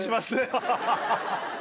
ハハハ